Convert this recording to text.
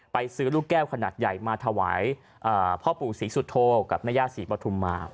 ซื้อลูกแก้วขนาดใหญ่มาถวายพ่อปู่ศรีสุโธกับแม่ย่าศรีปฐุมมา